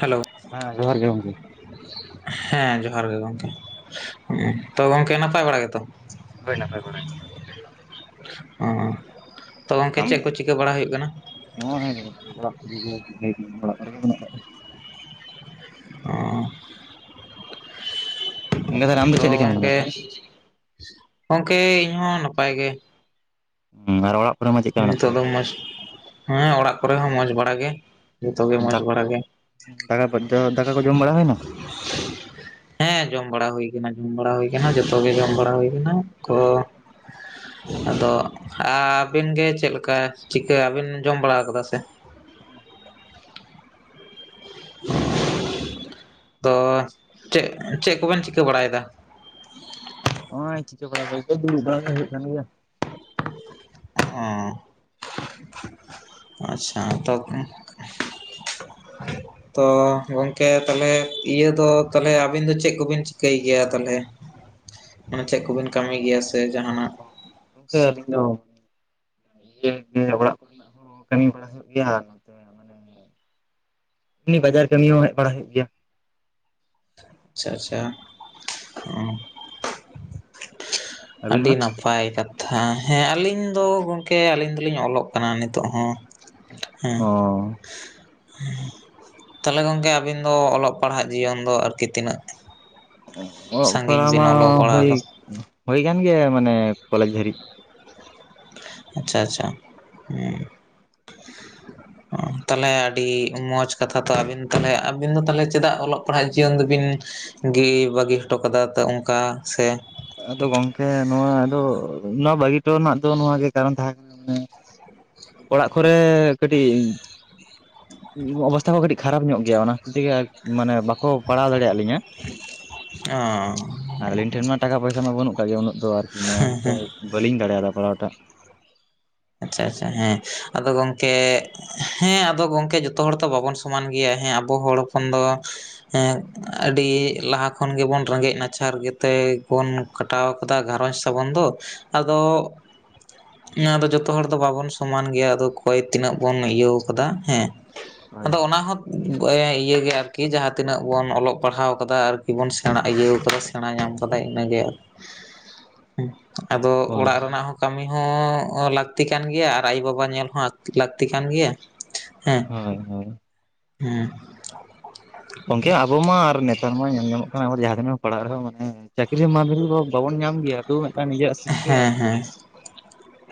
Hello ᱦᱮᱸ ᱡᱚᱦᱟᱨ ᱜᱮ ᱜᱚᱝᱠᱮ ᱦᱮᱸ ᱡᱚᱦᱟᱨ ᱜᱮ ᱜᱚᱝᱠᱮ ᱩᱸ ᱛᱚ ᱜᱚᱝᱠᱮ ᱱᱟᱯᱟᱭ ᱵᱟᱲᱟ ᱜᱮᱛᱚ? ᱦᱳᱭ ᱱᱟᱯᱟᱭ ᱵᱟᱲᱟ ᱜᱮ ᱾ ᱚ ᱛᱚ ᱜᱚᱝᱠᱮ ᱪᱮᱜ ᱠᱚ ᱪᱤᱠᱟᱹ ᱵᱟᱲᱟ ᱦᱳᱭᱳᱜ ᱠᱟᱱᱟ? ᱚᱭ ᱚᱲᱟᱜ ᱠᱚᱨᱮᱜᱮ [unintelligible] ᱚᱲᱟᱜ ᱠᱚ ᱨᱮᱜᱮ ᱢᱮᱱᱟᱜ ᱠᱟᱜ [inaudible] ᱚᱸ ᱜᱚᱝᱠᱮ ᱛᱟᱦᱚᱞᱮ ᱟᱢ ᱫᱚ ᱛᱚ ᱪᱮᱫ ᱞᱮᱠᱟ ᱢᱮᱱᱟᱢᱟ ᱜᱚᱝᱠᱮ ᱛᱟᱦᱚᱞᱮ ᱜᱚᱝᱠᱮ ᱤᱧ ᱦᱚᱸ ᱱᱟᱯᱟᱭ ᱜᱮ ᱦᱩᱸ ᱟᱨ ᱚᱲᱟᱜ ᱠᱚᱨᱮ ᱢᱟ ᱪᱮᱫᱠᱟ ᱢᱮᱱᱟᱜ ᱱᱤᱛᱚᱜ ᱠᱚᱣᱟ ᱫᱚ ᱢᱚᱸᱡᱽ ᱦᱮᱸ ᱚᱲᱟᱜ ᱠᱚᱨᱮ ᱦᱚᱸ ᱢᱚᱸᱡᱽ ᱵᱟᱲᱟ ᱜᱮ ᱡᱚᱛᱚ ᱜᱮ ᱢᱚᱡᱽ ᱵᱟᱲᱟ ᱜᱮ [inaudible] ᱫᱟᱠᱟ ᱠᱚ ᱡᱚᱢ ᱵᱟᱲᱟ ᱦᱳᱭᱱᱟ [unintelligible] ᱦᱮᱸ ᱡᱚᱢ ᱵᱟᱲᱟ ᱦᱩᱭ ᱠᱟᱱᱟ ᱡᱩᱢ ᱵᱟᱲᱟ ᱦᱩᱭ ᱠᱟᱱᱟ ᱡᱚᱛᱚ ᱜᱮ ᱡᱚᱢ ᱵᱟᱲᱟ ᱦᱩᱭ ᱠᱟᱱᱟ ᱠᱚ ᱟᱫᱚ ᱟᱻᱵᱤᱱ ᱜᱮ ᱪᱮᱫ ᱞᱮᱠᱟ ᱪᱤᱠᱟᱹ ᱟᱹᱵᱤᱱ ᱡᱚᱢ ᱵᱟᱲᱟ ᱠᱟᱫᱟ ᱥᱮ [unintelligible] [inaudible] ᱛᱚ ᱪᱮᱫ ᱪᱮᱫ ᱠᱚᱵᱮᱱ ᱪᱤᱠᱟᱹ ᱵᱟᱲᱟᱭ ᱫᱟ ᱚᱸᱭ ᱪᱤᱠᱟᱹ ᱵᱟᱲᱟ ᱵᱚᱞᱛᱮ ᱫᱩᱲᱩᱵ ᱵᱟᱲᱟ [inaudible] ᱦᱩᱭᱩᱜ ᱠᱟᱱ ᱜᱮᱭᱟ [unintelligible] ᱟᱪᱪᱷᱟ ᱛᱚᱵᱮ [unintelligible] ᱛᱚ ᱜᱚᱝᱠᱮ ᱛᱟᱞᱦᱮ ᱤᱭᱟᱹ ᱫᱚ ᱛᱟᱞᱦᱮ ᱟᱵᱤᱱ ᱫᱚ ᱪᱮᱫ ᱠᱚᱵᱤᱱ ᱪᱤᱠᱟᱹᱭ ᱜᱮᱭᱟ ᱛᱟᱞᱦᱮ ᱢᱟᱱᱮ ᱪᱮᱫ ᱠᱚᱵᱤᱱ ᱠᱟᱢᱤ ᱜᱮᱭᱟ ᱥᱮ ᱡᱟᱦᱟᱱᱟᱜ ᱜᱚᱝᱠᱮ ᱟᱹᱞᱤᱧ ᱫᱚ [unintelligible] ᱜᱮᱭᱟ ᱵᱟᱡᱟᱨ ᱠᱟᱹᱢᱤ ᱦᱚᱸ ᱦᱮᱡ ᱵᱟᱲᱟ ᱦᱩᱭᱩᱜ ᱜᱮᱭᱟ ᱟᱪᱪᱷᱟ ᱟᱪᱪᱷᱟ ᱚᱸ ᱟᱹᱵᱤᱱ ᱟᱹᱰᱤ ᱢᱟ ᱱᱟᱯᱟᱭ ᱯᱟᱭ ᱠᱟᱛᱷᱟ ᱦᱮᱸ ᱟᱹᱞᱤᱧ ᱫᱚ ᱜᱚᱝᱠᱮ ᱟᱹᱞᱤᱧ ᱫᱚᱞᱤᱧ ᱚᱞᱚᱜ ᱠᱟᱱᱟ ᱱᱤᱛᱚᱜ ᱦᱚᱸ ᱦᱮᱸ ᱚ ᱛᱟᱞᱦᱮ ᱜᱚᱝᱠᱮ ᱟᱹᱵᱤᱱ ᱫᱚ ᱚᱞᱚᱜ ᱯᱟᱲᱦᱟᱜ ᱡᱤᱭᱚᱱ ᱫᱚ ᱟᱨᱠᱤ ᱛᱤᱱᱟᱹᱜ ᱚᱞᱚᱜ ᱥᱟᱺᱜᱤᱧ ᱯᱟᱲᱦᱟᱣ ᱵᱤᱱ ᱢᱟ ᱚᱞᱚᱜ ᱯᱟᱲᱦᱟᱣ ᱦᱳᱭ ᱠᱟᱫᱟ? ᱦᱳᱭ ᱠᱟᱱ ᱜᱮᱭᱟ ᱢᱟᱱᱮ ᱠᱚᱞᱮᱡᱽ ᱫᱷᱟᱹᱨᱤᱡ ᱟᱪᱪᱷᱟ ᱟᱪᱪᱷᱟ [unintelligible] ᱛᱟᱞᱦᱮ ᱟᱹᱰᱤ ᱢᱚᱸᱡᱽ ᱠᱟᱛᱷᱟ ᱛᱚ ᱟᱹᱵᱤᱱ ᱛᱟᱞᱦᱮ ᱟᱹᱵᱤᱱ ᱫᱚ ᱛᱟᱞᱦᱮ ᱪᱮᱫᱟᱜ ᱚᱞᱚᱜ ᱯᱟᱲᱦᱟᱜ ᱡᱤᱭᱚᱱ ᱫᱚ ᱵᱤᱱ ᱜᱤ ᱵᱟᱹᱜᱤ ᱦᱚᱴᱚ ᱠᱟᱫᱟ ᱛᱚ ᱚᱝᱠᱟ ᱥᱮ ᱟᱫᱚ ᱜᱚᱝᱠᱮ ᱱᱚᱣᱟ ᱫᱚ ᱱᱚᱣᱟ ᱵᱟᱹᱜᱤᱦᱴᱚ ᱨᱮᱱᱟᱜ ᱫᱚ ᱱᱚᱣᱟ ᱜᱮ ᱠᱟᱨᱚᱱ ᱛᱟᱦᱮᱸ ᱠᱟᱱᱟ ᱢᱟᱱᱮ ᱚᱲᱟᱜ ᱠᱚᱨᱮ ᱠᱟᱹᱴᱤᱡ ᱚᱵᱚᱥᱛᱷᱟ ᱠᱚ ᱠᱟᱹᱴᱤᱡ ᱠᱷᱟᱨᱟᱯ ᱧᱚᱜ ᱜᱮᱭᱟ ᱚᱱᱟ ᱠᱷᱟᱹᱛᱤᱨ ᱛᱮᱜᱮ ᱢᱟᱱᱮ ᱵᱟᱠᱚ ᱯᱟᱲᱦᱟᱣ ᱫᱟᱲᱮᱭᱟᱜ ᱞᱤᱧᱟ ᱚᱻ ᱟᱨ ᱟᱹᱞᱤᱧ ᱴᱷᱮᱱ ᱢᱟ ᱴᱟᱠᱟ ᱯᱚᱭᱥᱟ ᱢᱟ ᱵᱟᱹᱱᱩᱜ ᱠᱟᱟᱜ ᱜᱮ ᱩᱱᱟᱹᱜ ᱫᱚ ᱟᱨᱠᱤ [inaudible] ᱵᱟᱹᱞᱤᱧ ᱫᱟᱲᱮᱭᱟᱫᱟ ᱯᱟᱲᱦᱟᱣ ᱴᱟᱜ ᱟᱪᱪᱷᱟ ᱟᱪᱪᱷᱟ ᱦᱮᱸ ᱟᱫᱚ ᱜᱚᱝᱠᱮᱻ ᱦᱮᱸ ᱟᱫᱚ ᱜᱚᱝᱠᱮ ᱡᱚᱛᱚ ᱦᱚᱲ ᱛᱚ ᱵᱟᱵᱚᱱ ᱥᱚᱢᱟᱱ ᱜᱮᱭᱟ ᱦᱮᱸ ᱟᱵᱚ ᱦᱚᱲ ᱦᱚᱯᱚᱱ ᱫᱚ ᱦᱮᱸ ᱟᱹᱰᱤ ᱞᱟᱦᱟ ᱠᱷᱚᱱ ᱜᱮᱵᱚᱱ ᱨᱮᱸᱜᱮᱡ ᱱᱟᱪᱟᱨ ᱜᱮᱛᱮ ᱵᱚᱱ ᱠᱟᱴᱟᱣ ᱠᱟᱫᱟ ᱜᱷᱟᱨᱚᱸᱡᱽ ᱥᱟᱵᱚᱱ ᱫᱚ ᱟᱫᱚ ᱚᱱᱟ ᱫᱚ ᱡᱚ ᱛᱚ ᱦᱚᱲ ᱫᱚ ᱵᱟᱵᱚᱱ ᱥᱚᱢᱟᱱ ᱜᱮᱭᱟ ᱟᱫᱚ ᱠᱚᱭ ᱛᱤᱱᱟᱹᱜ ᱵᱚᱱ ᱤᱭᱟᱹᱣ ᱟᱠᱟᱫᱟ ᱦᱮᱸ ᱦᱳᱭ ᱟᱫᱚ ᱚᱱᱟ ᱦᱚᱸ [inaudible] ᱤᱭᱟᱹ ᱜᱮ ᱟᱨᱠᱤ ᱡᱟᱦᱟᱸ ᱛᱤᱱᱟᱹᱜ ᱵᱚᱱ ᱚᱞᱚᱜ ᱯᱟᱲᱦᱟᱣ ᱠᱟᱫᱟ ᱟᱨᱠᱤ ᱵᱚᱱ ᱥᱮᱬᱟ ᱤᱭᱟᱹᱣ ᱠᱟᱫᱟ ᱥᱮ [inaudible] ᱧᱟᱢ ᱠᱟᱫᱟᱭ ᱤᱱᱟᱹᱜᱮ [inaudible] ᱟᱫᱚ ᱦᱳᱭ ᱚᱲᱟᱜ ᱨᱮᱱᱟᱜ ᱦᱚᱸ ᱠᱟᱹᱢᱤ ᱦᱚᱸ ᱛᱤ ᱠᱟᱱ ᱜᱮᱭᱟ ᱟᱨ ᱟᱭᱳ-ᱵᱟᱵᱟ ᱧᱮᱞ ᱦᱚᱸ [inaudible] ᱞᱟᱹᱠᱛᱤ ᱠᱟᱱ ᱜᱮᱭᱟ [inaudible] ᱦᱮᱸ ᱦᱳᱭ ᱦᱳᱭ ᱜᱚᱝᱠᱮ ᱟᱵᱚ ᱢᱟ ᱟᱨ ᱱᱮᱛᱟᱨ ᱢᱟ ᱧᱮᱞ ᱧᱟᱢᱚᱜ ᱠᱟᱱᱟ ᱟᱵᱚ ᱡᱟᱦᱟᱸ ᱛᱤᱱᱟᱹᱜ ᱵᱚ ᱯᱟᱲᱦᱟᱜ ᱨᱮᱦᱚᱸ ᱢᱟᱱᱮ ᱪᱟᱹᱠᱨᱤ [inaudible] ᱫᱚ ᱵᱟᱵᱚᱱ ᱧᱟᱢ ᱜᱮᱭᱟ ᱛᱚ ᱢᱤᱫᱴᱟᱝ ᱱᱤᱡᱮᱨᱟᱜ ᱥᱤᱠᱠᱷᱟᱹ ᱦᱮᱸ ᱟᱨᱠᱤ ᱦᱮᱸ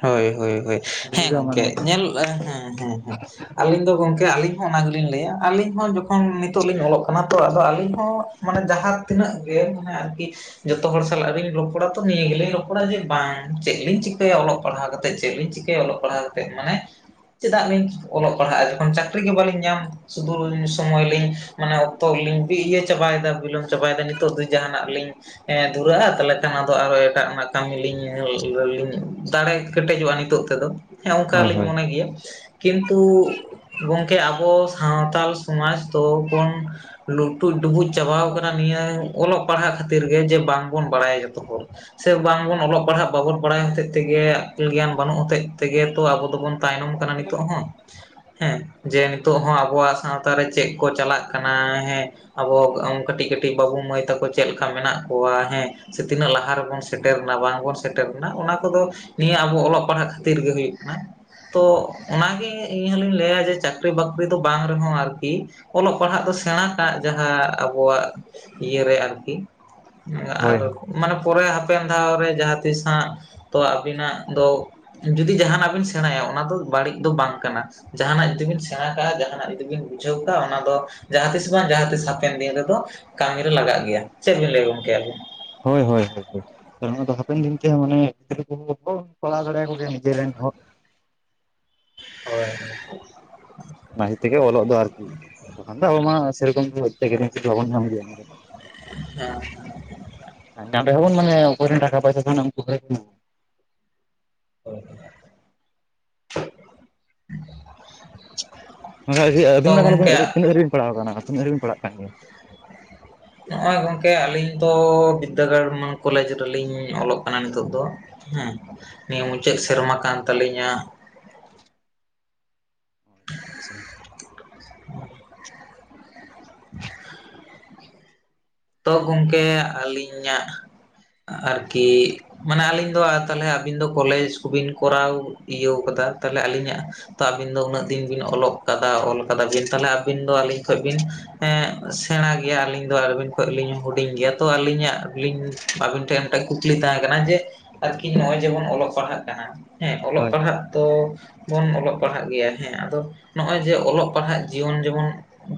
ᱦᱳᱭ ᱦᱳᱭ ᱦᱳᱭ ᱥᱤᱠᱠᱷᱟ ᱞᱟᱹᱜᱤᱫ ᱦᱮᱸ ᱫᱚ ᱢᱟᱱᱮ ᱜᱚᱝᱠᱮ ᱧᱮᱞ ᱦᱮᱸ ᱦᱮᱸ ᱟᱹᱞᱤᱧ ᱫᱚ ᱜᱚᱝᱠᱮ ᱟᱹᱞᱤᱧ ᱦᱚᱸ ᱚᱱᱟ ᱜᱮᱞᱤᱧ ᱞᱟᱹᱭᱟ ᱟᱹᱞᱤᱧ ᱦᱚᱸ ᱡᱚᱠᱷᱚᱱ ᱱᱤᱛᱚᱜ ᱞᱤᱧ ᱚᱞᱚᱜ ᱠᱟᱱᱟ ᱛᱚ ᱟᱫᱚ ᱟᱹᱞᱤᱧ ᱦᱚᱸ ᱢᱟᱱᱮ ᱡᱟᱦᱟᱸ ᱛᱤᱱᱟᱹᱜ ᱜᱮ ᱢᱟᱱᱮ ᱟᱨᱠᱤ ᱡᱚᱛᱚ ᱦᱚᱲ ᱥᱟᱞᱟᱜ ᱨᱤᱧ ᱨᱚᱯᱚᱲᱟ ᱛᱚ ᱱᱤᱭᱟᱹ ᱜᱮᱞᱤᱧ ᱨᱚᱯ [inaudible] ᱡᱮ ᱵᱟᱝ ᱪᱮᱫ ᱞᱤᱧ ᱪᱤᱠᱟᱹᱭᱟ ᱚᱞᱚᱜ ᱯᱟᱲᱦᱟᱣ ᱠᱟᱛᱮᱫ ᱪᱮᱫ ᱞᱤᱧ ᱪᱤᱠᱟᱹᱭᱟ ᱚᱞᱚᱜ ᱯᱟᱲᱦᱟᱣ ᱠᱟᱛᱮᱫ ᱢᱟᱱᱮ ᱪᱮᱫᱟᱜ ᱞᱤᱧ ᱚᱞᱚᱜ ᱯᱟᱲᱦᱟᱜ-ᱟ ᱡᱚᱠᱷᱚᱱ ᱪᱟᱠᱨᱤ ᱜᱮ ᱵᱟᱞᱤᱧ ᱧᱟᱢ ᱥᱩᱫᱷᱩ ᱥᱚᱢᱚᱭ ᱞᱤᱧ ᱢᱟᱱᱮ ᱚᱠᱛᱚ ᱜᱤᱞᱤᱧ ᱵᱤ ᱤᱭᱟᱹ ᱪᱟᱵᱟᱭ ᱫᱟ ᱵᱤᱞᱚᱢ ᱪᱟᱵᱟᱭ ᱫᱟ ᱱᱤᱛᱚᱜ ᱫᱚ ᱡᱟᱦᱟᱱᱟᱜ ᱜᱤᱞᱤᱧ ᱫᱷᱩᱨᱟᱹᱜᱼᱟ ᱛᱟᱦᱚᱞᱮ ᱠᱷᱟᱱ ᱟᱫᱚ ᱟᱨᱚ ᱮᱴᱟᱜ ᱚᱱᱟ ᱠᱟᱹᱢᱤ ᱞᱤᱧ ᱞᱤᱧ ᱫᱟᱲᱮ ᱠᱮᱴᱮᱡᱚᱜᱼᱟ ᱱᱤᱛᱚᱜ ᱛᱮᱫᱚ ᱦᱮᱸ ᱦᱳᱭ ᱚᱱᱠᱟᱞᱤᱧ ᱦᱳᱭ ᱢᱚᱱᱮ ᱜᱮᱭᱟ ᱠᱤᱱᱛᱩ ᱜᱚᱝᱠᱮ ᱟᱵᱚ ᱥᱟᱶᱟᱱᱛᱟᱞ ᱥᱚᱢᱟᱡᱽ ᱫᱚᱵᱚᱱ ᱞᱩᱴᱩᱡᱽ ᱰᱩᱵᱩᱡᱽ ᱪᱟᱵᱟ ᱟᱠᱟᱱᱟ ᱱᱤᱭᱟᱹ ᱚᱞᱚᱜ ᱯᱟᱲᱦᱟᱜ ᱠᱷᱟᱹᱛᱤᱨ ᱜᱮ ᱡᱮ ᱵᱟᱝᱵᱚᱱ ᱵᱟᱲᱟᱭᱟ ᱡᱚᱛᱚ ᱦᱚᱲ ᱥᱮ ᱵᱟᱝᱵᱚᱱ ᱚᱞᱚᱜ ᱯᱟᱲᱦᱟᱜ ᱵᱟᱵᱚᱱ ᱵᱟᱲᱟᱭ ᱦᱚᱛᱮᱫ ᱛᱮᱜᱮ ᱟᱹᱠᱤᱞ ᱜᱮᱭᱟᱱ ᱵᱟᱹᱱᱩᱜ ᱦᱚᱛᱮᱫ ᱛᱮᱜᱮ ᱛᱚ ᱟᱵᱚ ᱫᱚᱵᱚᱱ ᱛᱟᱭᱱᱚᱢ ᱠᱟᱱᱟ ᱱᱤᱛᱚᱜ ᱦᱚᱸ ᱦᱮᱸ ᱡᱮ ᱱᱤᱛᱚᱜ ᱦᱚᱸ ᱟᱵᱚᱣᱟᱜ ᱥᱟᱶᱛᱟ ᱨᱮ ᱪᱮᱫ ᱠᱚ ᱪᱟᱞᱟᱜ ᱠᱟᱱᱟ ᱦᱮᱸ ᱟᱵᱚ ᱠᱟᱹᱴᱤᱡ ᱠᱟᱹᱴᱤᱡ ᱵᱟᱹᱵᱩ ᱢᱟᱹᱭ ᱛᱟᱠᱚ ᱪᱮᱫᱮ ᱞᱮᱠᱟ ᱢᱮᱱᱟᱜ ᱠᱚᱣᱟ ᱦᱮᱸ ᱥᱮ ᱛᱤᱱᱟᱹᱜ ᱞᱟᱦᱟ ᱨᱮᱵᱚᱱ ᱥᱮᱴᱮᱨᱱᱟ ᱵᱟᱝ ᱵᱚᱱ ᱥᱮᱴᱮᱨᱱᱟ ᱚᱱᱟ ᱠᱚᱫᱚ ᱱᱤᱭᱟᱹ ᱟᱵᱚ ᱚᱞᱚᱜ ᱯᱟᱲᱦᱟᱜ ᱠᱷᱟᱹᱛᱤᱨ ᱜᱮ ᱦᱩᱭᱩᱜ ᱠᱟᱱᱟ ᱛᱚ ᱚᱱᱟᱜᱮ ᱤᱧ ᱦᱚᱞᱤᱧ ᱞᱟᱹᱭᱟ ᱡᱮ ᱪᱟᱠ ᱪᱟᱹᱠᱨᱤ ᱵᱟᱹᱠᱨᱤ ᱫᱚ ᱵᱟᱝ ᱨᱮᱦᱚᱸ ᱟᱨᱠᱤ ᱚᱞᱚᱜ ᱯᱟᱲᱦᱟᱜ ᱫᱚ ᱥᱮᱬᱟ ᱠᱟᱜ ᱡᱟᱦᱟᱸ ᱟᱵᱚᱣᱟᱜ ᱤᱭᱟᱹᱨ ᱨᱮ ᱟᱨᱠᱤ ᱦᱳᱭ ᱢᱟᱱᱮ ᱯᱚᱨᱮ ᱦᱟᱯᱮᱱ ᱫᱷᱟᱣ ᱨᱮ ᱡᱟᱦᱟᱸ ᱛᱤᱥ ᱦᱟᱸᱜ ᱛᱚᱣᱟ ᱟᱵᱤᱱᱟᱜ ᱫᱚ ᱡᱩᱫᱤ ᱡᱟᱦᱟᱱᱟᱜ ᱵᱤᱱ ᱥᱮᱬᱟᱭᱟ ᱚᱱᱟ ᱫᱚ ᱵᱟᱹᱲᱤᱡ ᱫᱚ ᱵᱟᱝ ᱠᱟᱱᱟ ᱡᱟᱦᱟᱱᱟᱜ ᱡᱩᱫᱤ ᱵᱤᱱ ᱥᱮᱬᱟ ᱠᱟᱜᱼᱟ ᱡᱟᱦᱟᱱᱟᱜ ᱡᱩᱫᱤ ᱵᱤᱱ ᱵᱩᱡᱷᱟᱹᱣ ᱠᱟᱜᱼᱟ ᱚᱱᱟ ᱫᱚ ᱡᱟᱦᱟᱸ ᱛᱤᱥ ᱵᱟᱝ ᱡᱟᱦᱟᱸ ᱛᱤᱥ ᱦᱟᱯᱮᱱ ᱫᱤᱱ ᱨᱮᱫᱚ ᱠᱟᱹᱢᱤ ᱨᱮ ᱞᱟᱜᱟᱜ ᱜᱮᱭᱟ ᱪᱮᱫ ᱵᱤᱱ ᱞᱟᱹᱭ ᱜᱚᱢᱠᱮ ᱟᱵᱤᱱ ᱦᱳᱭ ᱦᱟᱯᱮᱱ ᱫᱤᱱ ᱛᱮᱟᱱᱮ ᱠᱚ [unintelligible] ᱤᱡ [unintelligible] ᱦᱳᱭ [unintelligible] ᱚᱞᱚᱜ ᱫᱚ ᱟᱨᱠᱤ [unintelligible] ᱛᱠᱷᱟᱱ ᱫᱚᱚ ᱟᱵ ᱢᱟ ᱥᱮᱨᱚᱠᱚᱢ ᱞᱚᱜᱚᱱ ᱧᱟᱢ ᱫᱭᱟ ᱫᱚ ᱟᱨᱮᱸ [unintelligible] ᱸᱮ ᱦᱵᱚᱱ ᱢᱟᱱᱮᱮ ᱴᱟᱠᱟ ᱯᱚᱭᱥᱟ ᱠᱷ ᱠᱚ [unintelligible] [unintelligible] ᱛᱚ ᱟᱹᱵᱤᱱ ᱜᱚᱢᱠᱮ ᱛᱟᱦᱚᱞᱮ ᱛᱤᱱᱟᱹᱫᱷᱟᱹᱵᱤᱱ ᱯᱟᱲᱟᱣ ᱟᱠᱟᱱᱟ ᱛᱤᱱᱟᱹᱫᱷᱟᱹᱵᱤᱱ ᱯᱟᱲᱟᱜ ᱠᱟᱱ ᱜᱮᱭᱟ ᱱᱚᱜᱼᱚᱭ ᱜᱚᱝᱠᱮ ᱟᱹᱞᱤᱧ ᱫᱚ ᱵᱤᱫᱽᱫᱟᱹᱜᱟᱲ ᱠᱚᱞᱮᱡᱽ ᱨᱮᱞᱤᱧ ᱚᱞᱚᱜ ᱠᱟᱱᱟ ᱱᱤᱛᱚᱜ ᱫᱚ ᱦᱮᱸ ᱱᱤᱭᱟᱹ ᱢᱩᱪᱟᱹᱫ ᱥᱮᱨᱢᱟ ᱠᱟᱱ ᱛᱟᱹᱞᱤᱧᱟ ᱟᱪ ᱟᱪᱪᱷᱟ [unintelligible] [unintelligible] ᱛᱚ ᱜᱚᱢᱠᱮ ᱟᱹᱞᱤᱧᱟᱜ ᱟᱨᱠᱤ ᱢᱟᱱᱮ ᱟᱹᱞᱤᱧ ᱫᱚ ᱛᱟᱦᱞᱮ ᱟᱹᱵᱤᱱ ᱫᱚ ᱠᱚᱞᱮᱡᱽ ᱠᱚᱵᱤᱱ ᱠᱚᱨᱟᱣ ᱤᱭᱟᱹᱣ ᱠᱟᱫᱟ ᱛᱟᱦᱞᱮ ᱟᱹᱞᱤᱧᱟᱜ ᱛ ᱟᱹᱵᱤᱱ ᱫᱚ ᱩᱱᱟᱹᱜ ᱫᱤᱱ ᱵᱤᱱ ᱚᱞᱚᱜ ᱠᱟᱫᱟ ᱚᱞ ᱠᱟᱫᱟ ᱵᱤᱱ ᱛᱟᱦᱞᱮ ᱟᱹᱵᱤᱱ ᱫᱚ ᱟᱹᱞᱤᱧ ᱠᱷᱚᱡ ᱵᱤᱱ ᱥᱮᱬᱟ ᱜᱮᱭᱟ ᱟᱹᱞᱤᱧ ᱫᱚ ᱟᱨᱵᱮᱱ ᱠᱷᱚᱱ ᱞᱤᱧ ᱦᱩᱰᱤᱧ ᱜᱮᱭᱟ ᱛᱚ ᱟᱹᱞᱤᱧᱟᱜᱧ ᱟᱹᱵᱤᱱ ᱴᱷᱮᱱ ᱢᱤᱫᱴᱮᱱ ᱠᱩᱠᱞᱤ ᱛᱟᱦᱮᱸ ᱠᱟᱱᱟ ᱡᱮ ᱟᱨᱠᱤ ᱱᱚᱜᱼᱚᱭ ᱡᱮᱢᱚᱱ ᱚᱞᱚᱜ ᱯᱟᱲᱦᱟᱜ ᱠᱟᱱᱟ ᱦᱮᱸ ᱚᱞᱚᱜ ᱦᱳᱭ ᱯᱟᱲᱦᱟᱜ ᱫᱚ ᱵᱚᱱ ᱚᱞᱚᱜ ᱯᱟᱲᱦᱟᱜ ᱜᱮᱭᱟ ᱦᱮᱸ ᱟᱫᱚ ᱱᱚᱜᱼᱚᱭ ᱡᱮ ᱚᱞᱚᱜ ᱯᱟᱲᱦᱟᱜ ᱡᱤᱭᱚᱱ ᱡᱮᱢᱚᱱ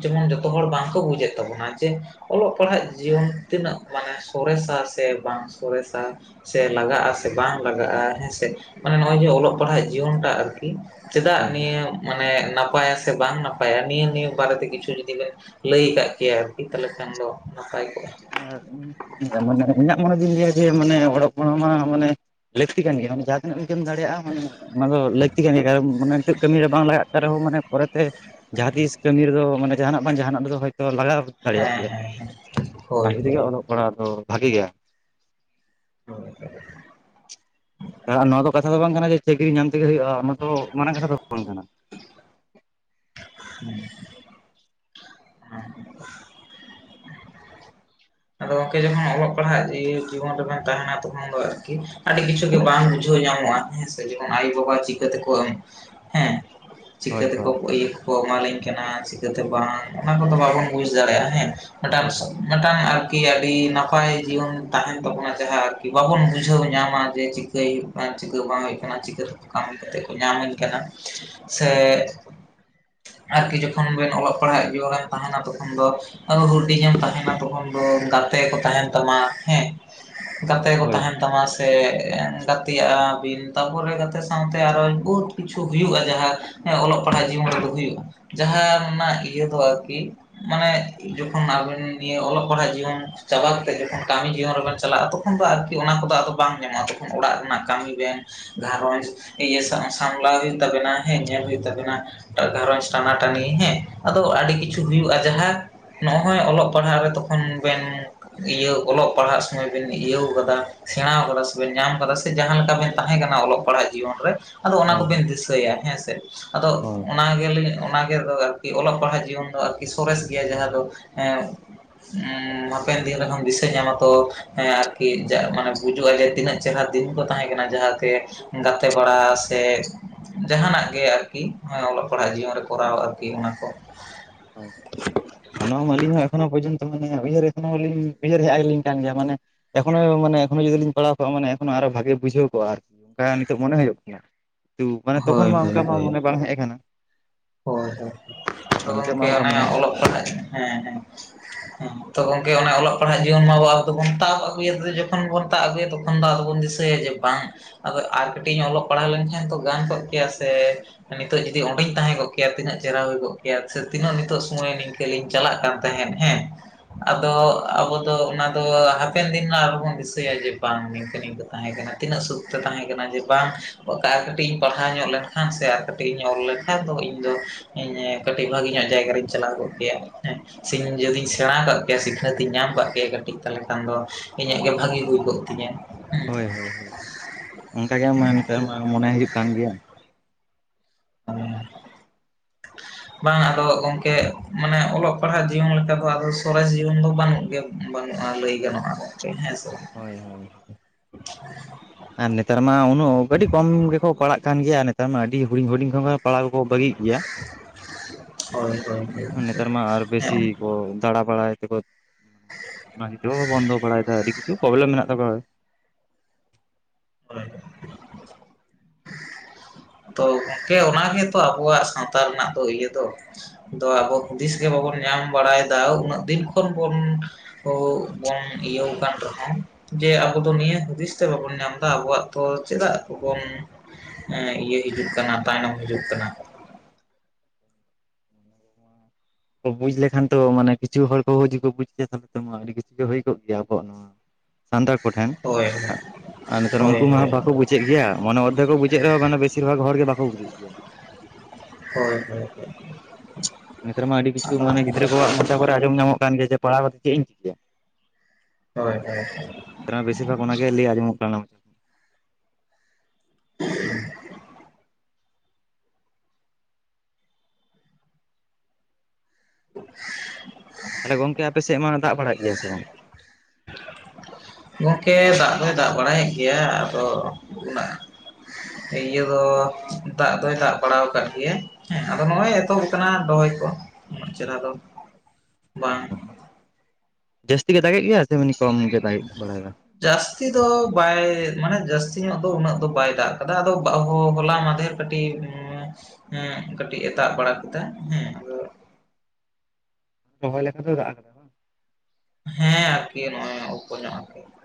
ᱡᱮᱢᱚᱱ ᱡᱚᱛᱚ ᱦᱚᱲ ᱵᱟᱝᱠᱚ ᱵᱩᱡᱮᱫ ᱛᱟᱵᱚᱱᱟ ᱡᱮ ᱚᱞᱚᱜ ᱯᱟᱲᱦᱟᱜ ᱡᱤᱭᱚᱱ ᱛᱤᱱᱟᱹᱜ ᱢᱟᱱᱮ ᱥᱚᱨᱮᱥᱟ ᱥᱮ ᱵᱟᱝ ᱥᱚᱨᱮᱥᱟ ᱥᱮ ᱞᱟᱜᱟᱜᱼᱟᱥᱮ ᱵᱟᱝ ᱞᱟᱜᱟᱜᱼᱟ ᱦᱮᱸᱥᱮ ᱢᱟᱱᱮ ᱱᱚᱜᱼᱚᱭ ᱡᱮ ᱚᱞᱚᱜ ᱯᱟᱲᱦᱟᱜ ᱡᱤᱭᱚᱱᱴᱟᱜ ᱟᱨᱠᱤ᱾ ᱪᱮᱫᱟᱜ ᱦᱳᱭ ᱱᱤᱭᱟᱹ ᱢᱟᱱᱮ ᱱᱟᱯᱟᱭᱟ ᱥᱮ ᱵᱟᱝ ᱱᱟᱯᱟᱭᱟ ᱱᱤᱭᱟᱹ ᱱᱤᱭᱟᱹ ᱵᱟᱨᱮᱛᱮ ᱠᱤᱪᱷᱩ ᱡᱩᱫᱤ ᱵᱮᱱ ᱞᱟᱹᱭ ᱠᱟᱫ ᱠᱮᱭᱟ ᱟᱨᱠᱤ ᱛᱟᱦᱚᱞᱮ ᱠᱷᱟᱱ ᱫᱚ ᱱᱟᱯᱟᱭ ᱠᱚᱜᱼᱟ᱾ ᱟ [unintelligible] ᱢᱟᱱᱮ ᱤᱧᱟᱹᱜ ᱢᱚᱱᱮ ᱫᱤᱧ ᱞᱟᱹᱭᱟ ᱡᱮ ᱢᱟᱱᱮ ᱚᱞᱚᱜ ᱯᱟᱲᱦᱟᱜ ᱢᱟ ᱢᱟᱱᱮ ᱞᱟᱹᱠᱛᱤ ᱠᱟᱱ ᱜᱮᱭᱟ᱾ ᱢᱟᱱᱮ ᱤᱱᱠᱟᱹᱢ ᱫᱟᱲᱮᱭᱟᱜᱼᱟ ᱢᱟᱱᱮ ᱚᱱᱟ ᱫᱚ ᱞᱟᱹᱠᱛᱤ ᱠᱟᱱ ᱜᱮᱭᱟ ᱠᱟᱨᱚᱱ ᱢᱟᱱᱮ ᱱᱤᱛᱚᱜ ᱠᱟᱹᱢᱤ ᱨᱮ ᱵᱟᱝ ᱞᱟᱜᱟᱜ ᱠᱟᱱ ᱨᱮᱦᱚᱸ ᱢᱟᱱᱮ ᱯᱚᱨᱮᱛᱮ ᱡᱟᱦᱟᱸ ᱛᱤᱥ ᱠᱟᱹᱢᱤ ᱨᱮᱫᱚ ᱢᱟᱱᱮ ᱡᱟᱦᱟᱱᱟᱜ ᱵᱟᱝ ᱡᱟᱦᱟᱱᱟᱜ ᱨᱮᱫᱚ ᱦᱳᱭᱛᱳ ᱞᱟᱜᱟᱣ ᱫᱟᱲᱮᱭᱟᱜ ᱦᱮᱸ ᱜᱮᱭᱟ ᱦᱮᱸ ᱦᱮᱸ ᱚᱱᱟ ᱦᱳᱭ ᱠᱷᱟᱹᱛᱤᱨᱜᱮ ᱦᱳᱭ ᱚᱞᱚᱜ ᱯᱟᱲᱦᱟᱜ ᱫᱚ ᱵᱷᱟᱜᱮ ᱜᱮᱭᱟ᱾ ᱦ [unintelligible] ᱦᱮᱸ ᱟᱨ ᱱᱚᱣᱟ ᱫᱚ ᱠᱟᱛᱷᱟ ᱫᱚ ᱵᱟᱝ ᱠᱟᱱᱟ ᱡᱮ ᱪᱟᱹᱠᱨᱤ ᱧᱟᱢ ᱛᱮᱜᱮ ᱦᱩᱭᱩᱜᱼᱟ ᱚᱱᱟ ᱫᱚ ᱢᱟᱨᱟᱝ ᱠᱟᱛᱷᱟ ᱫᱚ ᱵᱟᱝ ᱠᱟᱱᱟ᱾ ᱦᱮᱸ [unintelligible] ᱦᱮᱸ ᱟᱫᱚ ᱜᱚᱢᱠᱮ ᱡᱟᱦᱟ ᱚᱞᱚᱜ ᱯᱟᱲᱦᱟᱜ ᱡᱤᱵᱚᱱ ᱨᱮᱵᱮᱱ ᱛᱟᱦᱮᱱᱟ ᱛᱚᱠᱷᱚᱱ ᱫᱚ ᱟᱨᱠᱤ ᱟᱹᱰᱤ ᱠᱤᱪᱷᱩ ᱜᱮ ᱵᱟᱝ ᱵᱩᱡᱷᱟᱹᱣ ᱧᱟᱢᱚᱜᱼᱟ᱾ ᱦᱮᱸ ᱥᱮ ᱡᱮᱢᱚᱱ ᱟᱭᱳ ᱵᱟᱵᱟ ᱪᱤᱠᱟᱹ ᱛᱮᱠᱚ ᱮᱢ ᱦᱮᱸ ᱪᱤᱠᱟᱹ ᱦᱳᱭ ᱛᱮᱠᱚ ᱦᱳᱭ ᱤᱭᱟᱹ ᱠᱚᱠᱚ ᱮᱢᱟᱞᱤᱧ ᱠᱟᱱᱟ ᱪᱤᱠᱟᱹᱛᱮ ᱵᱟᱝ ᱚᱱᱟ ᱠᱚᱫᱚ ᱵᱟᱵᱚᱱ ᱵᱩᱡᱽ ᱫᱟᱲᱮᱭᱟᱜᱼᱟ ᱦᱮᱸ᱾ ᱢᱤᱫᱴᱟᱝ ᱦᱳᱭ [unintelligible] ᱢᱤᱫᱴᱟᱝ ᱟᱨ ᱠᱤ ᱟᱹᱰᱤ ᱱᱟᱯᱟᱭ ᱡᱤᱭᱚᱱ ᱛᱟᱦᱮᱱ ᱛᱟᱵᱚᱱᱟ ᱡᱟᱦᱟᱸ ᱟᱨᱠᱤ ᱵᱟᱵᱚᱱ ᱵᱩᱡᱷᱟᱹᱣ ᱧᱟᱢᱟ ᱡᱮ ᱪᱤᱠᱟᱹᱭ ᱵᱟᱝ ᱪᱤᱠᱟᱹ ᱵᱟᱝ ᱦᱩᱭᱩᱜ ᱠᱟᱱᱟ ᱪᱤᱠᱟᱹ ᱛᱮᱠᱚ ᱠᱟᱹᱢᱤ ᱠᱟᱛᱮᱫ ᱠᱚ ᱧᱟᱢᱤᱧ ᱠᱟᱱᱟ ᱥᱮ ᱟᱨᱠᱤ ᱡᱚᱠᱷᱚᱱ ᱵᱮᱱ ᱚᱞᱚᱜ ᱯᱟᱲᱦᱟᱜ ᱡᱤᱭᱚᱱ ᱨᱮᱢ ᱛᱟᱦᱮᱱᱟ ᱛᱚᱠᱷᱚᱱ ᱫᱚ ᱟᱫᱚ ᱦᱩᱰᱤᱧ ᱮᱢ ᱛᱟᱦᱮᱱᱟ ᱛᱚᱠᱷᱚᱱ ᱦᱩᱸ ᱜᱟᱛᱮ ᱠᱚ ᱛᱟᱦᱮᱱ ᱛᱟᱢᱟ ᱦᱮᱸ ᱜᱟᱛᱮ ᱠᱚ ᱦᱳᱭ ᱛᱟᱦᱮᱱ ᱛᱟᱢᱟ ᱥᱮ ᱥᱮ ᱜᱟᱛᱮᱭᱟᱜᱼᱟ ᱵᱤᱱ ᱛᱟᱯᱚᱨᱮ ᱜᱟᱛᱮ ᱥᱟᱶᱛᱮ ᱟᱨᱚ ᱵᱚᱦᱩᱛ ᱠᱤᱪᱷᱩ ᱦᱩᱭᱩᱜᱼᱟ ᱡᱟᱦᱟᱸ ᱦᱮᱸ ᱚᱞᱚᱜ ᱯᱟᱲᱦᱟᱜ ᱡᱤᱵᱚᱱ ᱨᱮᱫᱚ ᱦᱩᱭᱩᱜᱼᱟ ᱡᱟᱦᱟ ᱨᱮᱱᱟᱜ ᱤᱭᱟᱹ ᱫᱚ ᱟᱨᱠᱤ ᱢᱟᱱᱮ ᱡᱚᱠᱷᱚᱱ ᱟᱵᱤᱱ ᱱᱤᱭᱟᱹ ᱚᱞᱚᱜ ᱯᱟᱲᱦᱟᱜ ᱡᱤᱭᱚᱱ ᱪᱟᱵᱟ ᱠᱟᱛᱮᱫ ᱡᱚᱠᱷᱚᱱ ᱠᱟᱹᱢᱤ ᱡᱤᱭᱚᱱ ᱨᱮᱵᱮᱱ ᱪᱟᱞᱟᱜᱼᱟ ᱛᱚᱠᱷᱚᱱ ᱫᱚ ᱟᱨᱠᱤ ᱚᱱᱟ ᱠᱚᱫᱚ ᱟᱫᱚ ᱵᱟᱝ ᱧᱟᱢᱚᱜᱼᱟ ᱛᱚᱠᱷᱚᱱ ᱚᱲᱟᱜ ᱨᱮᱱᱟᱜ ᱠᱟᱹᱢᱤ ᱵᱮᱱ ᱜᱷᱟᱨᱚᱸᱡᱽ ᱤᱭᱟᱹ ᱥᱟ ᱥᱟᱢᱞᱟᱣ ᱦᱩᱭᱩᱜ ᱛᱟᱵᱮᱱᱟ ᱦᱮᱸ ᱧᱮᱞ ᱦᱩᱭᱩᱜ ᱛᱟᱵᱮᱱᱟ᱾ ᱮᱴᱟᱜ ᱜᱷᱟᱨᱚᱸᱧᱡᱽ ᱴᱟᱱᱟᱴᱟᱹᱱᱤ ᱦᱮᱸ ᱟᱫᱚ ᱟᱹᱰᱤ ᱠᱤᱪᱷᱩ ᱦᱩᱭᱩᱜᱼᱟ ᱡᱟᱦᱟᱸ ᱱᱚᱜᱼᱚᱭ ᱚᱞᱚᱜ ᱯᱟᱲᱦᱟᱜ ᱨᱮ ᱛᱚᱠᱷᱚᱱ ᱵᱮᱱ ᱤᱭᱟᱹ ᱚᱞᱚᱜ ᱯᱟᱲᱦᱟᱜ ᱥᱚᱢᱚᱭ ᱵᱮᱱ ᱤᱭᱟᱹᱣ ᱠᱟᱫᱟ ᱥᱮᱬᱟ ᱠᱟᱫᱟ ᱥᱮᱵᱮᱱ ᱧᱟᱢ ᱠᱟᱫᱟ ᱥᱮ ᱡᱟᱦᱟᱸᱞᱮᱠᱟᱵᱱ ᱛᱟᱦᱮᱸ ᱠᱟᱱᱟ ᱚᱞᱚᱜ ᱯᱟᱲᱦᱟᱜ ᱡᱤᱭᱚᱱ ᱨᱮ ᱟᱫᱚ ᱚᱱᱟ ᱦᱳᱭ ᱦᱳᱭ ᱠᱚᱵᱤᱱ ᱫᱤᱥᱟᱹᱭᱟ ᱦᱮᱸᱥᱮ ᱟᱫᱚ ᱦᱳᱭ ᱚᱱᱟ ᱜᱮᱞᱤᱧ ᱚᱱᱟ ᱜᱮ ᱟᱨᱠᱤ ᱚᱞᱚᱜ ᱯᱟᱲᱦᱟᱜ ᱡᱤᱭᱚᱱ ᱫᱚ ᱟᱨᱠᱤ ᱥᱚᱨᱮᱥ ᱜᱮᱭᱟ ᱡᱟᱦᱟᱸ ᱫᱚ ᱮᱸ ᱩᱸᱦ ᱦᱟᱯᱮᱱ ᱫᱤᱱ ᱨᱮᱦᱚᱢ ᱫᱤᱥᱟᱹ ᱧᱟᱢᱟ ᱛᱚ ᱦᱮᱸ ᱟᱨᱠᱤ ᱢᱟᱱᱮ ᱵᱩᱡᱩᱜᱼᱟ ᱡᱮ ᱛᱤᱱᱟᱹᱜ ᱪᱮᱦᱨᱟ ᱫᱤᱱ ᱠᱚ ᱛᱟᱦᱮᱸ ᱠᱟᱱᱟ ᱡᱟᱦᱟᱸᱛᱮ ᱜᱟᱛᱮ ᱵᱟᱲᱟ ᱥᱮ ᱡᱟᱦᱟᱱᱟᱜ ᱜᱮ ᱟᱨᱠᱤ᱾ ᱚᱱᱟ ᱚᱞᱚᱜ ᱦᱳᱭ ᱯᱟᱲᱦᱟᱜ ᱡᱤᱭᱚᱱ ᱨᱮ ᱠᱚᱨᱟᱣ ᱟᱨᱠᱤ ᱚᱱᱟ ᱠᱚ᱾ ᱟᱨ ᱱᱚᱣᱟ ᱢᱟ ᱟᱹᱞᱤᱧ ᱦᱚᱸ ᱮᱠᱷᱚᱱᱳ ᱯᱚᱨᱡᱚᱱᱛᱚ ᱢᱟᱱᱮ ᱩᱭᱦᱟᱹᱨ ᱮᱸ ᱠᱷᱚᱱᱟᱞᱤᱧ ᱩᱭᱦᱟᱹᱨ ᱦᱮᱡ ᱟᱞᱤᱧ ᱠᱟᱱ ᱜᱮᱭᱟ ᱢᱟᱱᱮ ᱮᱠᱷᱚᱱᱚ ᱢᱟᱱᱮ ᱮᱠᱷᱚᱱᱚ ᱡᱩᱫᱤ ᱞᱤᱧ ᱯᱟᱲᱟᱣ ᱠᱚᱜᱼᱟ ᱢᱟᱱᱮ ᱮᱠᱷᱚᱱᱚ ᱟᱨᱦᱚ ᱵᱷᱟᱜᱤ ᱵᱩᱡᱷᱟᱹᱣ ᱠᱚᱜᱼᱟ ᱟᱨᱠᱤ᱾ ᱦᱮᱸ ᱱᱤᱛᱚᱜ ᱢᱚᱱᱮ ᱦᱩᱭᱩᱜ ᱜᱮᱭᱟ ᱛᱚ ᱛᱚᱠᱷᱚᱱ ᱦᱳᱭ ᱢᱟ ᱦᱳᱭ ᱚᱱᱠᱟ ᱢᱟ ᱦᱳᱭ ᱢᱚᱱᱮ ᱵᱟᱝ ᱦᱮᱡ ᱠᱟᱱᱟ᱾ ᱦᱳᱭ ᱦᱳ ᱟᱫᱚ ᱜᱚᱝᱠᱮ ᱚᱱᱮ ᱢᱚᱱᱮ ᱦᱩᱭᱩᱜ ᱚᱞᱚᱜ ᱠᱟᱱ ᱜᱮᱭᱟ ᱯᱟᱲᱦᱟᱜ ᱦᱮᱸ ᱦᱮᱸ ᱦᱮᱸ᱾ ᱛᱚ ᱜᱚᱝᱠᱮ ᱚᱱᱮ ᱚᱞᱚᱜ ᱯᱟᱲᱦᱟᱜ ᱡᱤᱭᱚᱱ ᱢᱟ ᱵᱚ ᱟᱫᱚᱵᱚᱱ ᱛᱟᱵ ᱟᱹᱜᱩᱭᱟ ᱡᱚᱠᱷᱚᱱ ᱵᱚᱱ ᱛᱟᱵ ᱟᱹᱜᱩᱭᱟ ᱛᱚᱠᱷᱚᱱ ᱛᱚᱠᱷᱚᱱ ᱫᱚ ᱟᱫᱚ ᱵᱚᱱ ᱫᱤᱥᱟᱹᱭᱟ ᱡᱮ ᱵᱟᱝ ᱟᱫᱚ ᱟᱨ ᱠᱟᱹᱴᱤᱡ ᱚᱞᱚᱜ ᱯᱟᱲᱦᱟᱣ ᱞᱮᱱᱠᱷᱟᱱ ᱛᱚ ᱜᱟᱱ ᱠᱚᱜ ᱠᱮᱭᱟ ᱥᱮ ᱱᱤᱛᱚᱜ ᱡᱩᱫᱤ ᱚᱸᱰᱮᱧ ᱛᱟᱦᱮᱸ ᱠᱚᱜ ᱠᱮᱭᱟ᱾ ᱠᱮᱭᱟ ᱛᱤᱱᱟᱹᱜ ᱪᱮᱦᱨᱟ ᱦᱩᱭ ᱠᱚᱜ ᱠᱮᱭᱟ ᱥᱮ ᱛᱤᱱᱟᱹᱜ ᱱᱤᱛᱚᱜ ᱥᱚᱢᱚᱭ ᱱᱤᱝᱠᱟᱹᱞᱤᱧ ᱪᱟᱞᱟᱜ ᱠᱟᱱ ᱛᱟᱦᱮᱸᱫ ᱦᱮᱸ᱾ ᱟᱫᱚ ᱟᱵᱚ ᱫᱚ ᱚᱱᱟ ᱛᱚ ᱦᱟᱯᱮᱱ ᱫᱤᱱ ᱟᱨᱚ ᱵᱚᱱ ᱫᱤᱥᱟᱹᱭᱟ ᱡᱮ ᱵᱟᱝ ᱱᱤᱝᱠᱟᱹ ᱱᱤᱝᱠᱟᱹ ᱛᱟᱦᱮᱸ ᱠᱟᱱᱟ ᱛᱤᱱᱟᱹᱜ ᱥᱩᱠᱛᱮ ᱛᱟᱦᱮᱸ ᱠᱟᱱᱟ ᱡᱮ ᱵᱟᱝ ᱟᱨ ᱠᱟᱹᱴᱤᱡ ᱤᱧ ᱯᱟᱲᱦᱟᱣ ᱧᱚᱜ ᱞᱮᱱᱠᱷᱟᱱ ᱥᱮ ᱟᱨ ᱠᱟᱹᱴᱤᱡ ᱤᱧ ᱚᱞ ᱞᱮᱠᱷᱟᱱ ᱫᱚ ᱤᱧ ᱤᱧ ᱫᱚ ᱤᱧ ᱠᱟᱹᱴᱤᱡ ᱵᱷᱟᱜᱮ ᱧᱚᱜ ᱡᱟᱭᱜᱟ ᱨᱤᱧ ᱪᱟᱞᱟᱣ ᱠᱚᱜ ᱠᱮᱭᱟ ᱦᱮᱸ᱾ ᱥᱮᱧ ᱡᱩᱫᱤᱧ ᱥᱮᱬᱟ ᱠᱟᱜ ᱠᱮᱭᱟ ᱥᱤᱠᱷᱱᱟᱹᱛ ᱤᱧ ᱧᱟᱢ ᱠᱟᱜ ᱠᱮᱭᱟ ᱠᱟᱹᱴᱤᱡ ᱛᱟᱦᱚᱞᱮ ᱠᱷᱟᱱ ᱫᱚ ᱤᱧᱟᱹᱜ ᱜᱮ ᱵᱷᱟᱹᱜᱤ ᱦᱩᱭ ᱠᱚᱜ ᱛᱤᱧᱟ᱾ ᱦᱳᱭ ᱦᱳᱭ ᱦᱳᱭ ᱚᱱᱠᱟ ᱜᱮ ᱢᱟ ᱱᱮᱛᱟᱜ ᱢᱟ ᱢᱚᱱᱮ ᱦᱤᱡᱩᱜ ᱠᱟᱱ ᱜᱮᱭᱟ᱾ ᱦᱮᱸ᱾ [inaudible] ᱵᱟᱝ ᱟᱫᱚ ᱜᱚᱝᱠᱮ ᱢᱟᱱᱮ ᱚᱞᱚᱜ ᱯᱟᱲᱦᱟᱜ ᱡᱤᱭᱚᱱ ᱞᱮᱠᱟ ᱫᱚ ᱟᱫᱚ ᱥᱚᱨᱮᱥ ᱡᱤᱭᱚᱱ ᱫᱚ ᱵᱟᱹᱱᱩᱜ ᱜᱮᱭᱟ᱾ ᱵᱟᱹᱱᱩᱜᱼᱟ ᱞᱟᱹᱭ ᱜᱟᱱᱚᱜᱼᱟ ᱜᱚᱝᱠᱮ ᱦᱮᱸ ᱥᱮ᱾ ᱦᱳᱭ ᱦᱳᱭ᱾ ᱟᱨ ᱱᱮᱛᱟᱨ ᱢᱟ ᱩᱱᱟᱹᱜ ᱟᱹᱰᱤ ᱠᱚᱢ ᱜᱮᱠᱚ ᱯᱟᱲᱟᱜ ᱠᱟᱱ ᱜᱮᱭᱟ ᱟᱨ ᱱᱮᱛᱟᱨ ᱢᱟ ᱟᱹᱰᱤ ᱦᱩᱰᱤᱧ ᱦᱩᱰᱤᱧ ᱠᱷᱚᱱ ᱯᱟᱲᱦᱟᱣ ᱠᱚᱠᱚ ᱵᱟᱹᱜᱤᱭᱮᱫ ᱜᱮᱭᱟ᱾ ᱱᱮᱛᱟᱨ ᱢᱟ ᱟᱨ ᱵᱮᱥᱤ ᱦᱮᱸ ᱠᱚ ᱫᱟᱬᱟ ᱵᱟᱲᱟᱭ ᱛᱮᱠᱚ ᱚᱱᱟ ᱠᱷᱟᱛᱤᱨ ᱦᱚᱸᱠᱚ ᱵᱚᱱᱫᱚ ᱵᱟᱲᱟᱭᱮᱫᱟ ᱟᱹᱰᱤ ᱠᱤᱪᱷᱩ ᱯᱨᱚᱵᱞᱮᱢ ᱢᱮᱱᱟᱜ ᱛᱟᱠᱚᱣᱟ᱾ ᱦᱮᱸ [unintelligible] ᱛᱚ ᱜᱚᱝᱠᱮ ᱚᱱᱟ ᱜᱮᱛᱚ ᱟᱵᱚᱣᱟᱜ, ᱥᱟᱶᱛᱟ ᱨᱮᱱᱟᱜ ᱫᱚ, ᱤᱭᱟᱹ ᱫᱚ ᱫᱚ ᱟᱵᱚ ᱦᱩᱫᱤᱥ ᱜᱮ ᱵᱟᱵᱚᱱ ᱧᱟᱢ ᱵᱟᱲᱟᱭᱫᱟ ᱩᱱᱟᱹᱜ ᱫᱤᱱ ᱠᱷᱚᱱ ᱵᱚᱱ ᱵᱚᱱ ᱤᱭᱟᱹᱣ ᱠᱟᱱ ᱨᱮᱦᱚᱸ ᱡᱮ ᱟᱵᱚ ᱫᱚ ᱱᱤᱭᱟᱹ ᱦᱩᱫᱤᱥ ᱛᱮ ᱵᱟᱵᱚᱱ ᱧᱟᱢ ᱫᱟ, ᱟᱵᱚᱣᱟᱜ ᱛᱚ ᱪᱮᱫᱟᱜ ᱵᱚᱱ ᱦᱮ ᱤᱭᱟᱹ ᱦᱤᱡᱩᱜ ᱠᱟᱱᱟ ᱛᱟᱭᱱᱚᱢ ᱦᱤᱡᱩᱜ ᱠᱟᱱᱟ ᱾ [inaudible] ᱠᱚ ᱵᱩᱡᱽ ᱞᱮᱠᱷᱟᱱ ᱛᱚ ᱢᱟᱱᱮ, ᱠᱤᱪᱷᱩ ᱦᱚᱲ ᱠᱚᱦᱚ [unintelligible] ᱵᱩᱡᱽ ᱠᱮᱭᱟ ᱛᱟᱦᱮᱢᱟ ᱟᱹᱰᱤ ᱠᱤᱪᱷᱩ ᱜᱮ ᱦᱩᱭ ᱠᱚᱜ ᱜᱮᱭᱟ ᱟᱵᱚᱣᱟᱜ ᱱᱚᱣᱟ ᱥᱟᱱᱛᱟᱲ ᱠᱚᱴᱷᱮᱱ ᱦᱳᱭ ᱟᱨ ᱱᱮᱛᱟᱨ ᱦᱳᱭ ᱩᱱᱠᱩ ᱢᱟ ᱦᱳᱭ ᱵᱟᱠᱚ ᱵᱩᱡ ᱾ ᱵᱩᱡᱮᱜ ᱜᱮᱭᱟ ᱢᱟᱱᱮ ᱚᱫᱫᱷᱮᱠᱚ ᱵᱩᱡᱮᱜ ᱨᱮᱦᱚᱸ ᱢᱟᱱᱮ, ᱵᱮᱥᱤᱨ ᱵᱷᱟᱜ ᱦᱚᱲ ᱜᱮ ᱵᱟᱠᱚ ᱵᱩᱡᱮᱫ ᱜᱮᱭᱟ ᱾ ᱦᱳᱭ ᱦᱳᱭ, ᱱᱮᱛᱟᱨ ᱢᱟ ᱟᱹᱰᱤ ᱠᱤᱪᱷᱩ ᱜᱮ ᱟᱫᱚ ᱢᱟᱮ ᱜᱤᱫᱽᱨᱟᱹ ᱠᱚᱣᱟᱜ ᱢᱚᱪᱟ ᱠᱚᱨᱮ ᱟᱸᱡᱚᱢ ᱧᱟᱢᱚᱜ ᱠᱟᱱ ᱜᱮᱭᱟ ᱡᱮ, ᱯᱟᱲᱦᱟᱣ ᱠᱟᱛᱮᱜ ᱪᱮᱫ ᱤᱧ ᱪᱤᱠᱟᱹᱭᱟ? ᱦᱳᱭ ᱦᱳᱭ ᱵᱮᱥᱤᱨ ᱵᱷᱟᱜᱽ ᱚᱱᱟᱜᱮ ᱞᱟᱹᱭ ᱟᱸᱡᱚᱢᱚᱜ ᱠᱟᱱᱟ᱾ ᱦᱚᱸ [inaudible] [inaudible] ᱛᱟᱦᱚᱞᱮ ᱜᱚᱝᱠᱮ ᱟᱯᱮ ᱥᱮᱫ ᱢᱟ ᱫᱟᱜ ᱵᱟᱲᱟᱭᱮᱜ ᱜᱮᱭᱟ ᱥᱮ ᱵᱟᱝ? ᱜᱚᱢᱠᱮ ᱫᱟᱜ ᱫᱚᱭ ᱫᱟᱜ ᱵᱟᱲᱟᱭᱮᱜ ᱜᱮᱭᱟ ᱟᱫᱚ, ᱚᱱᱟ ᱤᱭᱟᱹ ᱫᱚ, ᱫᱟᱜ ᱫᱚᱭ ᱫᱟᱜ ᱵᱟᱲᱟ ᱟᱠᱟᱫ ᱜᱮᱭᱟᱭ ᱾ ᱦᱮᱸ ᱟᱫᱚ ᱱᱚᱜᱼᱚᱭ ᱮᱛᱚᱦᱚᱵ ᱠᱟᱱᱟ ᱨᱚᱦᱚᱭ ᱠᱚ ᱪᱮᱦᱨᱟ ᱫᱚ ᱵᱟᱝ, ᱡᱟᱹᱥᱛᱤ ᱜᱮ ᱫᱟᱜᱮᱜ ᱜᱮᱭᱟ, ᱥᱮ ᱮᱢᱱᱤ ᱠᱚᱢ ᱜᱮ ᱫᱟᱜᱮᱜ ᱵᱟᱲᱟᱭᱫᱟ ᱾ ᱡᱟᱹᱥᱛᱤ ᱫᱚ ᱵᱟᱭ ᱢᱟᱱᱮ, ᱡᱟᱹᱥᱛᱤ ᱧᱚᱜ ᱫᱚ ᱩᱱᱟᱹᱜ ᱫᱚ ᱵᱟᱭ ᱫᱟᱜ ᱠᱟᱫᱟ ᱟᱫᱚ ᱟᱵᱚ ᱦᱚᱞᱟ ᱢᱟᱫᱷᱮᱨ ᱠᱟᱹᱴᱤᱡ ᱠᱟᱹᱴᱤᱡ ᱮ ᱫᱟᱜ ᱵᱟᱲᱟ ᱠᱮᱫᱟ ᱦᱮᱸ, ᱨᱚᱦᱚᱭ ᱞᱮᱠᱟ ᱫᱚ ᱫᱟᱜ ᱠᱟᱫᱟ ᱾ ᱦᱮᱸ ᱟᱨᱠᱤ ᱱᱚᱜᱼᱚᱭ ᱩᱯᱚ ᱧᱚᱜ ᱠᱟᱱᱟ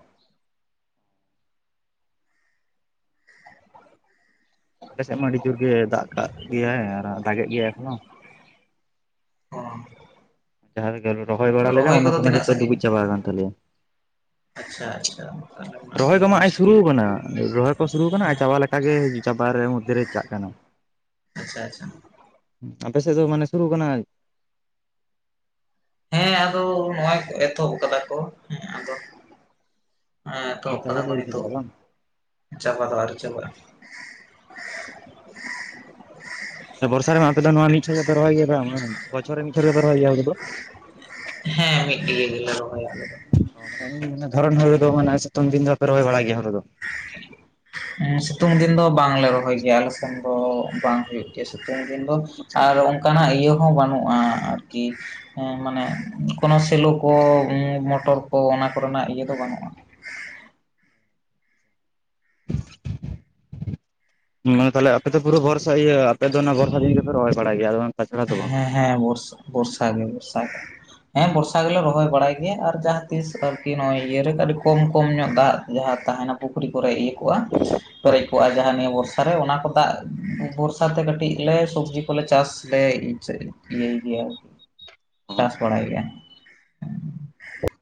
ᱟᱞᱮ ᱥᱮᱫ ᱢᱟ ᱟᱹᱰᱤ ᱡᱳᱨ ᱜᱮ ᱫᱟᱜ ᱠᱟᱜ ᱜᱮᱭᱟᱭ ᱟᱨ ᱫᱟᱜᱮᱫ ᱜᱮᱭᱟᱭ ᱮᱠᱷᱚᱱᱳ ᱾ ᱚ ᱡᱟᱦᱟᱸ ᱨᱮᱜᱮ ᱞᱮ ᱨᱚᱦᱚᱭ ᱵᱟᱲᱟ ᱞᱮᱫᱟ ᱚᱱᱟ ᱠᱚ ᱠᱚᱫᱚ ᱢᱟ, ᱛᱤᱱᱟᱹᱜ ᱡᱷᱚᱛᱚ ᱥᱟᱺᱜᱤᱧ ᱰᱩᱵᱩᱡ ᱪᱟᱵᱟ ᱟᱠᱟᱱ ᱛᱟᱞᱮᱭᱟ ᱾ ᱟᱪᱪᱷᱟ ᱟᱪᱪᱷᱟ ᱛᱟᱦᱚᱞᱮ ᱢᱟ ᱨᱚᱦᱚᱭ ᱟᱹᱰᱤ ᱠᱚᱢᱟ ᱦᱮᱜ-ᱮ ᱥᱩᱨᱩ ᱢᱩᱥᱠᱤᱞ ᱠᱟᱱᱟ, ᱨᱚᱦᱚᱭ ᱠᱚ ᱥᱩᱨᱩ ᱠᱟᱱᱟ, ᱟᱨ ᱪᱟᱵᱟ ᱞᱮᱠᱟᱜᱮ ᱪᱟᱵᱟᱟᱨᱮ ᱢᱚᱫᱷᱮᱨᱮ ᱪᱟᱜ ᱠᱟᱱᱟ ᱾ ᱟᱪᱪᱷᱟ ᱟᱪᱪᱷᱟ, ᱟᱯᱮ ᱥᱮᱫ ᱫᱚ ᱢᱟᱱᱮ ᱥᱩᱨᱩ ᱠᱟᱱᱟ, ᱦᱮᱸ ᱟᱫᱚ ᱱᱚᱜ-ᱚᱭ ᱠᱚ ᱮᱛᱚᱦᱚᱵ ᱠᱟᱫᱟ ᱠᱚ ᱾ ᱦᱮᱸ ᱮᱛᱚᱦᱚᱵ ᱪᱟᱵᱟ ᱫᱚ ᱠᱟᱫᱟᱠᱳ ᱟᱹᱣᱨᱤ ᱪᱟᱵᱟᱜᱼᱟ ᱱᱤᱛᱳ-ᱜ, ᱵᱟᱝ ᱪᱟᱵᱟ ᱫᱚ ᱟᱣᱨᱤ ᱪᱟᱵᱟᱜᱼᱟ ᱾ ᱵᱚᱨᱥᱟ ᱨᱮᱢᱟ ᱟᱯᱮ ᱫᱚ ᱱᱚᱣᱟ ᱢᱤᱪᱷᱚᱴ ᱜᱮᱯᱮ ᱨᱚᱦᱚᱭ ᱜᱮᱭᱟ ᱾ ᱵᱚᱪᱷᱚᱨ ᱨᱮ ᱢᱤᱪᱷᱚᱴ ᱜᱮᱯᱮ ᱨᱚᱦᱚᱭ ᱜᱮᱭᱟ ᱦᱩᱲᱩ ᱫᱚ ᱾ ᱦᱮᱸ ᱢᱤᱫ ᱜᱮ ᱜᱞᱮ ᱨᱚᱦᱚᱭᱭᱟ ᱟᱞᱮ ᱫᱚ ᱫᱷᱚᱨᱚᱱ ᱦᱩᱲᱩ ᱫᱚ ᱢᱟᱱᱮ ᱥᱮᱛᱳᱝ ᱫᱤᱱ ᱫᱚ ᱵᱟᱯᱮ ᱨᱚᱦᱚᱭ ᱵᱟᱲᱟ ᱜᱮᱭᱟ ᱦᱩᱬᱩ ᱫᱚ ᱾ [unintelligible] ᱥᱤᱛᱩᱝ ᱫᱤᱱ ᱫᱚ ᱵᱟᱝᱞᱮ ᱨᱚᱦᱚᱭ ᱜᱮᱭᱟ ᱟᱞᱮ ᱥᱮᱱ ᱫᱚ, ᱵᱟᱝ ᱦᱩᱭᱩᱜ ᱜᱮᱭᱟ ᱥᱤᱛᱩᱝ ᱫᱤᱱ ᱫᱚ ᱾ ᱟᱨ ᱚᱱᱠᱟᱱᱟᱜ ᱤᱭᱟᱹ ᱦᱚᱸ ᱵᱟᱹᱱᱩᱜᱼᱟ ᱟᱨᱠᱤ, ᱦᱮᱸ ᱢᱟᱱᱮ ᱠᱳᱱᱳ ᱥᱮᱞᱳ ᱠᱚ ᱢᱚᱴᱚᱨ ᱠᱚ ᱚᱱᱟ ᱠᱚᱨᱮᱱᱟᱜ ᱤᱭᱟᱹ ᱫᱚ ᱵᱟᱹᱱᱩᱜᱼᱟ ᱾ [unintelligible] ᱛᱟᱦᱚᱞᱮ ᱟᱯᱮ ᱫᱚ ᱯᱩᱨᱟᱹ ᱵᱚᱨᱥᱟ ᱤᱭᱟᱹ ᱟᱯᱮ ᱫᱚ ᱚᱱᱟ ᱵᱚᱨᱥᱟ ᱫᱤᱱ ᱜᱮᱯᱮ ᱨᱚᱦᱚᱭ ᱵᱟᱲᱟᱭ ᱜᱮᱭᱟ, ᱟᱫᱚ ᱛᱟᱪᱷᱟᱲᱟ ᱫᱚ ᱵᱟᱝ᱾ ᱦᱮᱸ ᱦᱮᱸ ᱵᱚᱨᱥᱟ ᱵᱚᱨᱥᱟ ᱜᱮ, ᱵᱚᱨᱥᱟ ᱜᱮ, ᱦᱮᱸ ᱵᱚᱨᱥᱟ ᱜᱮᱞᱮ ᱨᱚᱦᱚᱭ ᱵᱟᱲᱟᱭ ᱜᱮᱭᱟ ᱾ ᱟᱨ ᱡᱟᱦᱟᱸ ᱛᱤᱥ ᱟᱨᱠᱤ ᱱᱚᱜᱼᱚᱭ ᱠᱚᱢ ᱠᱚᱢ ᱧᱚᱜ ᱫᱟᱜ ᱡᱟᱦᱟᱸ ᱛᱟᱦᱮᱱᱟ ᱯᱩᱠᱷᱨᱤ ᱠᱚᱨᱮ ᱤᱭᱟᱹ ᱠᱚᱜᱼᱟ, ᱦᱳᱭ ᱯᱮᱨᱮᱡ ᱠᱚᱜᱼᱟ ᱡᱟᱦᱟᱸ ᱱᱤᱭᱟᱹ ᱵᱚᱨᱥ ᱛᱟᱦᱚᱞᱮ ᱚᱱᱟ ᱠᱚ ᱫᱟᱜ ᱵᱚᱨᱥᱟ ᱛᱮ, ᱠᱟᱹᱴᱤᱡ ᱞᱮ ᱥᱚᱵᱽᱡᱤ ᱠᱚᱞᱮ ᱪᱟᱥ ᱞᱮ ᱥᱮ ᱤᱭᱟᱹᱭ ᱜᱮᱭᱟ ᱪᱟᱥ ᱵᱟᱲᱟᱭ ᱜᱮᱭᱟ ᱾